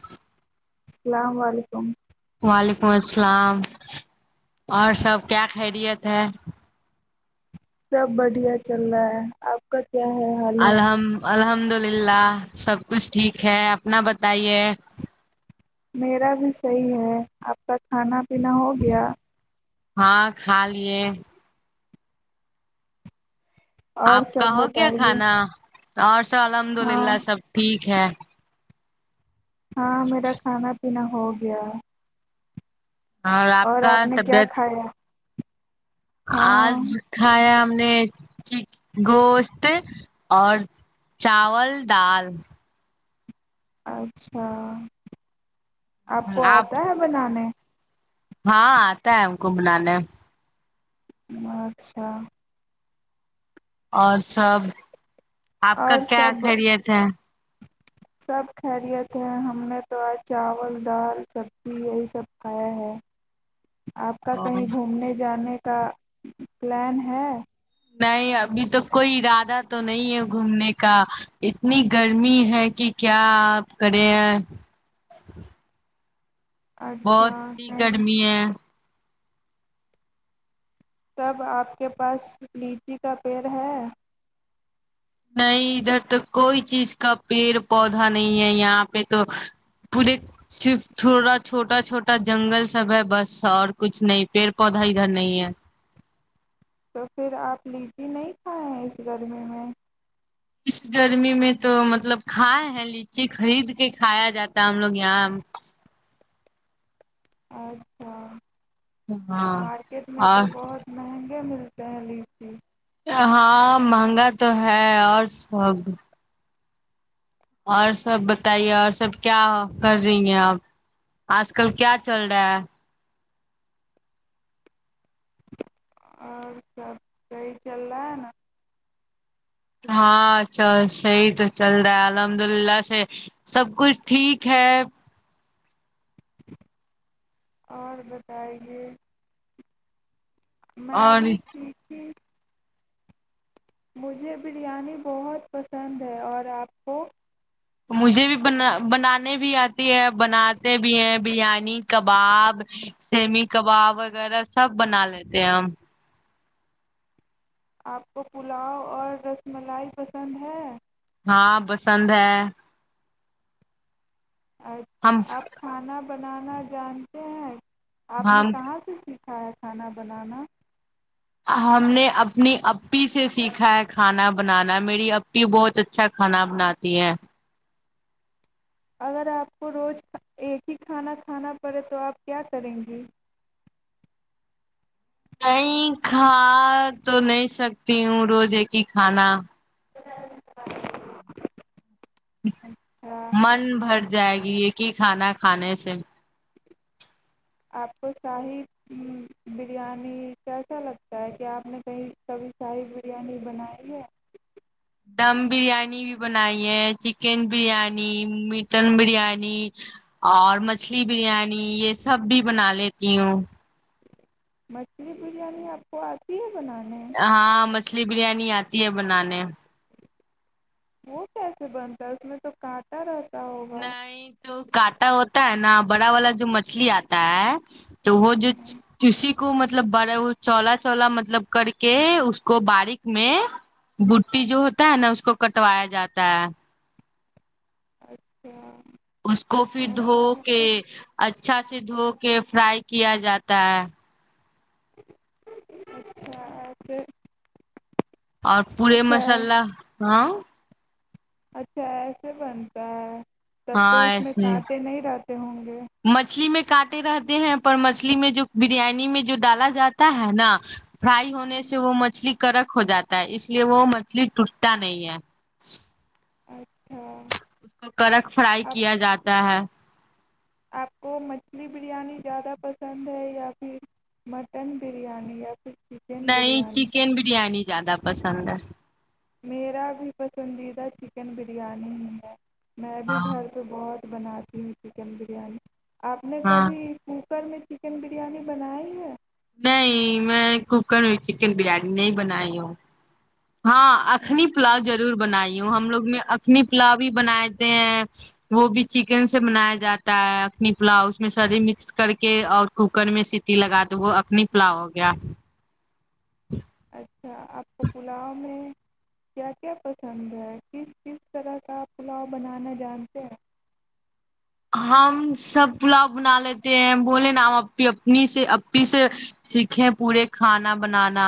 ج [unintelligible] السلام علیکم وعلیکم السلام اور سب کیا خیریت ہے سب بڑھیا چل رہا ہے آپ کا کیا ہے حال ہے الحم الحمد للہ سب کچھ ٹھیک ہے اپنا بتائیے میرا بھی صحیح ہے آپ کا کھانا پینا ہو گیا ہاں کھا لیے اور آپ کا سب ہو گیا بتائیے کھانا آ [unintelligible] الحمد ہاں للہ سب ٹھیک چ ہے [unintelligible] ہاں میرا کھانا پینا ہو گیا اور آپ کا نے کیا طبیعت کھایا آج ہاں کھایا ہم نے چ گوشت اور چاول دال اچھا آپ کو آتا ہے بنانے ہاں آتا ہے ہم گومنانے اچھا اور سب آپ کا اور کیا سب خیریت ہے سب خیریت ہیں ہم نے تو آج چاول دال سبزی یہی سب کھایا ہے آپ کا اور کہیں گھومنے جانے کا پلان ہے نہیں ابھی توک کوئی ارادہ تو نہیں ہے گھومنے کا اتنی گرمی ہے کہ کیا آپ کرے ہیں بہت اچھا ہی نہیں گرمی ہے سب آپ کے پاس لیچی کا پیڑ ہے نہیں ادھر تو کوئی چیز کا پیڑ پودا نہیں ہے یہاں پہ تو پورے صرف تھوڑا چھوٹا چھوٹا جنگل سب ہے بس اور کچھ نہیں پیڑ پودا ادھر نہیں ہے تو پھر آپ لیجی نہیں کھائے ہیں اس گرمی میں اس گرمی میں تو مطلب کھائے ہیں لیچی خرید کے کھایا جاتا ہے ہم لوگ یہاں اچھا ہاں مارکیٹ میں اور تو بہت مہنگا ملتے ہیں لیچی ہاں مہنگا تو ہے اور سب اور سب بتائیے اور سب کیا کر رہی ہیں اب آج کل کیا چل رہا ہے اور سب صحیح چل رہا ہے نا ہاں چل صحیح تو چل رہا ہے الحمد للہ سے سب کچھ ٹھیک ہے اور بتائے میں اور بھی ٹھیک تھی مجھے بریانی بہت پسند ہے اور آپ کو مجھے بھی بنا بنانے بھی آتی ہے بناتے بھی ہیں بریانی کباب سیمی کباب وغیرہ سب بنا لیتے ہیں ہم آپ کو پلاؤ اور رس ملائی پسند ہے ہاں پسند ہے ہم اچھا آپ کھانا بنانا جانتے ہیں آپ نے ہم کہاں سے سیکھا کھیا کھانا بنانا ہم نے اپنی اپی سے سیکھا ہے کھانا بنانا میری اپی بہت اچھا کھانا بناتی ہیں اگر آپ کو روز ایک ہی کھانا کھانا پڑے تو آپ کیا کریں گی نہیں کھا تو نہیں سکتی ہوں روز ایک ہی کھانا جی [unintelligible] من بھر جائے گی یہ کہ کھانا کھانے سے آپ کو شاہی بریانی کیسا لگتا ہے کیا آپ نے کہیں کبھی شاہی بریانی بنائی ہے دم بریانی بھی بنائی ہے چکن بریانی مٹن بریانی اور مچھلی بریانی یہ سب بھی بنا لیتی ہوں مچھلی بریانی آپ کو آتی ہے بنانانی ہاں مچھلی بریانی آتی ہے بنانے وہ کیسے بنتا ہے اس میں تو کانٹا رہتا ہوگا نہیں تو کانٹا ہوتا ہے نا بڑا والا جو مچھلی آتا ہے تو وہ جو چسی کو مطلب بڑا وہ چولا چولا مطلب کر کے اس کو باریک میں بٹی جو ہوتا ہے نا اس کو کٹوایا جاتا ہے اچھا اس کو پھر دھو ماشاء کے اللہ، اچھا سے دھو کے فرائی کیا جاتا ہے اچھا اور پورے اچھا مسالہ ہاں اچھا ایسے بنتا ہے تب تو ہاں اس میں ایسے کانٹے نہیں رہتے ہوں گے کاٹے رہتے ہیں پر مچھلی میں جو بریانی میں جو ڈالا جاتا ہے نا فرائی ہونے سے وہ مچھلی کرک ہو جاتا ہے اس لیے وہ مچھلی ٹوٹتا نہیں ہے اچھا اس کو کڑک فرائی آپ کیا جاتا ہے آپ کو مچھلی بریانی زیادہ پسند ہے یا پھر مٹن بریانی یا پھر چکن نہیں بریانی چکن بریانی زیادہ پسند ہے میرا بھی پسندیدہ چکن بریانی ہی ہے میں بھی گھر پہ بہت بناتی ہوں چکن بریانی آپ نے ہاں کبھی کوکر میں چکن بریانی بنائی ہے نہیں میں کوکر چکن بریانی نہیں بنائی ہوں ہاں اخنی پلاؤ ضرور بنائی ہوں ہم لوگ میں اخنی پلاؤ بھی بنے ہیں وہ بھی چکن سے بنایا جاتا ہے اخنی پلاؤ اس میں ساریے مکس کر کے اور کوکر میں سیٹی لگا دو وہ اخنی پلاؤ ہو گیا اچھا آپ کو پلاؤ میں کیا کیا پسند ہے کس کس طرح کا پلاؤ بنانا جانتے ہیں ہم سب پلاؤ بنا لیتے ہیں بولے نا ہم اپ اپنی سے اپی سے سیکھے پورے کھانا بنانا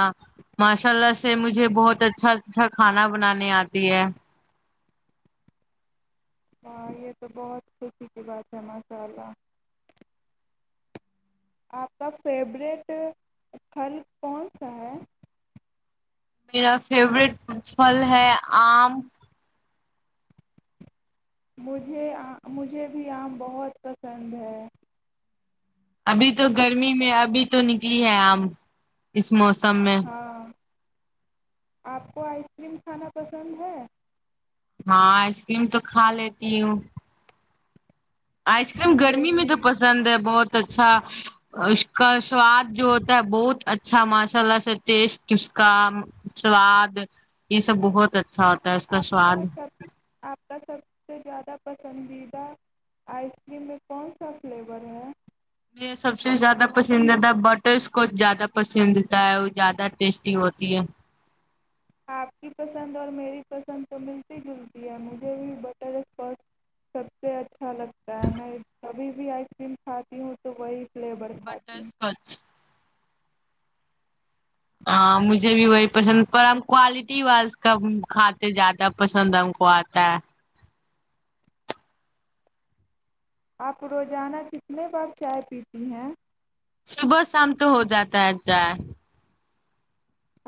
ماشاء اللہ سے مجھے بہت اچھا اچھا کھانا بنانے آتی ہے ہاں یہ تو بہت خوشی کی بات ہے ماشاء اللہ آپ کا فیوریٹ پھل کون سا ہے میرا فیورٹ پھل ہے آم مجھے مجھے بھی آم بہت پسند ہے ابھی تو گرمی میں ابھی تو نکلی ہے آم اس موسم میں ہاں آپ کو آئس کریم کھانا پسند ہے ہاں ائس کریم تو کھا لیتی ہوں آئس کریم مجھے گرمی میں بھی تو پسند ہے بہت اچھا اس کا سواد جو ہوتا ہے بہت اچھا ماشاء اللہ سے ٹیسٹ اس کا سواد یہ سب بہت اچھا اچھا ہوتا ہے اس کا آپ سواد سب آپ کا سب سے زیادہ پسندیدہ آئس کریم میں کون سا فلیور ہے میرے سب سے زیادہ پسندیدہ بٹر سکوچ زیادہ پسندیدہ ہے اور زیادہ ٹیسٹی ہوتی ہے آپ کی پسند اور میری پسند تو ملتی جلتی ہے مجھے بھی بٹر اسکاچ سب سے اچھا لگتا ہے میں کبھی بھی آئس کریم کھاتی ہوں تو وہی فلیور بٹر کھاتی ہوں اسکچ ہاں مجھے بھی وہی پسند پر ہم کوالٹی وال کا کھاتے زیادہ پسند ہم کو آتا ہے آپ روزانہ کتنے بار چائے پیتی ہیں صبح شام تو ہو جاتا ہے ا جائے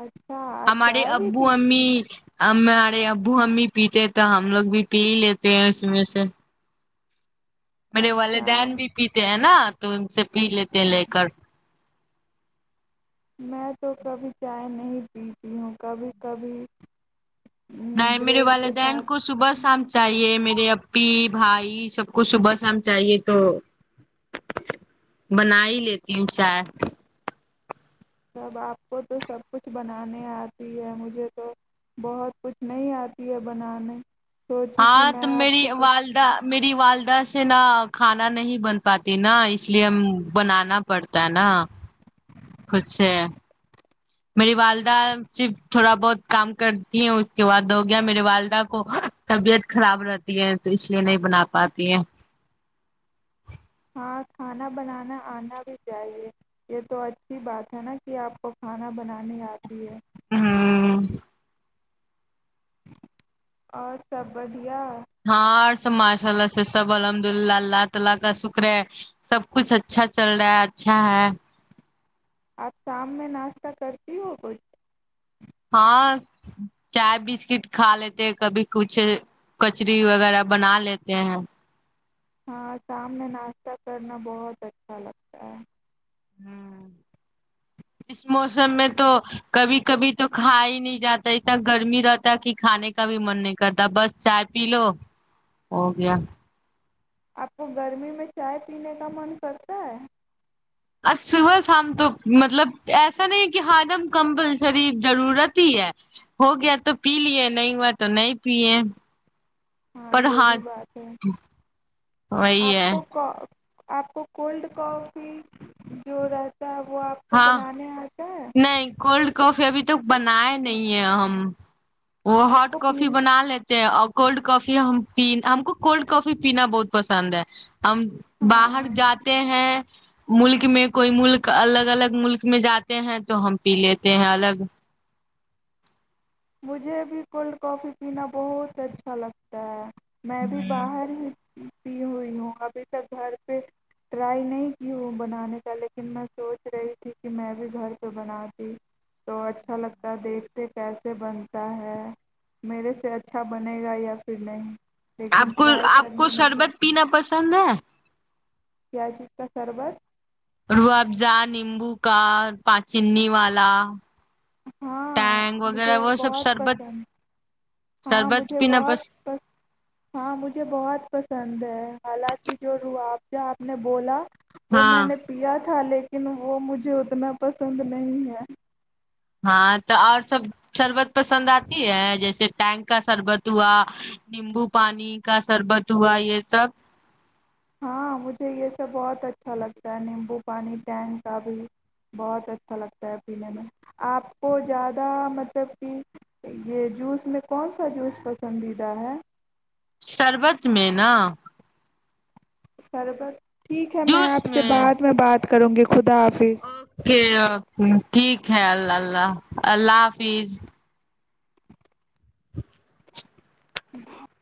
اچھا آپ ہمارے چائے بھی ابو پیتی امی ہیں۔ ہم ہمارے ابو ہم بھی پیتے ہیں تو ہم لوگ بھی پی لیتے ہیں اس میں سے میرے والے اچھا دن بھی پیتے ہیں نا تو سے پی لیتے لے کر میں تو کبھی چائے نہیں پیتی ہوں کبھی کبھی م، نہیں میرے بریڈ کے والدین ساتھ کو صبح شام چاہیے میرے میرے اپی بھائی سب کو صبح شام چاہیے تو بنا ہی لیتی ہوں چائے اب آپ کو تو سب کچھ بنانے آتی ہے مجھے تو بہت کچھ نہیں آتی ہے بنانے سوچی کہ ہاں تو میں آپ میری سے کچھ والدہ میری والدہ سے نا کھانا نہیں بن پاتی نا اس لیے ہم بنانا پڑتا ہے نا کچھ میری والدہ صرف تھوڑا بہت کام کرتی ہے اس کے بعد ہو گیا میری والدہ کو طبیعت خراب رہتی ہے تو اس لیے نہیں بنا پاتی ہے ہاں کھانا بنانا آنا بھی چاہیے یہ تو اچھی بات ہے نا کہ آپ کو کھانا بنانی آتی ہے ہاں اور سب بڑھیا مجھے وہاں پر دی نا ٹھار س ماشاءاللہ سے سب الحمدللہ اللہ تعالی کا شکر ہے سب کچھ اچھا چل رہا ہے اچھا ہے آپ شام میں ناشتہ کرتی ہو کچھ ہاں چائے بسکٹ کھا لیتے ہیں کبھی کچھ کچری وغیرہ بنا لیتے ہیں ہاں شام میں ناشتہ کرنا بہت اچھا لگتا ہے ہ اس موسم میں تو کبھی کبھی تو کھا ہی نہیں جاتا اتنا گرمی رہتا ہے کہ کھانے کا بھی من نہیں کرتا بس چائے پی لو ہو گیا آپ کو گرمی میں چائے پینے کا من کرتا ہے ا صبحام تو مطلب ایسا نہیں کہ ہجم کمپلسری ضرورت ہی ہے ہو گیا تو پی لیے نہیں ہوا تو نہیں پیے ہاں یہ بھی بات ہے وہی آپ ہے کو آپ کو کولڈ کافی جو رہ کیا وہ آپ کو ہاں بنانے آتا ہے نہیں کولڈ کافی ابھی توک بنایا نہیں ہے ہم وہ آپ ہاٹ کو کافی پین بنا لیتے ا کولڈ کافی ہم ہم کو کولڈ کافی پینا بہت پسند ہے ہم ہاں باہر ہاں جاتے ہیں ملک میں کوئی ملک الگ ال الگ ملک میں جاتے ہیں تو ہم پی لیتے ہیں الگ مجھے بھی کولڈ کافی پینا بہت اچھا لگتا ہے میں بھی باہر ہی پی ہوئی ہوں ابھی تک گھر پہ ٹرائی نہیں کی ہوں بنانے کا لیکن میں سوچ رہی تھی کہ میں بھی گھر پہ بنا دی تو اچھا لگتا دیکھتے پسے سے بنتا ہے میرے سے اچھا بنے گا یا پھر نہیں لیکن آپ کو ٹرائی آپ کو کرنے میں کیا شربت پینا پسند ہے پیاجز کا سربت روح افزا نیمبو کا پان چنی والا ہاں ٹینگ مجھے وغیرہ وہ سب بہت شربت پسند ہاں شربت مجھے پینا بہت پس پ ہاں مجھے بہت پسند ہے حالانکہ جو روحاب ج آپ نے بولا وہ میں ہاں نے پیا تھا لیکن وہ مجھے اتنا پسند نہیں ہے ہاں تو اور سب شربت پسند آتی ہے جیسے ٹینک کا شربت ہوا نیمبو پانی کا شربت ہوا یہ سب ہاں مجھے یہ سب بہت اچھا لگتا ہے نیمبو پانی ٹینک کا بھی بہت اچھا لگتا ہے پینے میں آپ کو زیادہ مطلب کہ یہ جوس میں کون سا جوس پسندیدہ ہے شربت میں نا سربت ٹھیک ہے میں آپ سے بعد میں بات کر کرو گے اوکے کی خ اللہ اللہ اللہ حافظ [inaudible]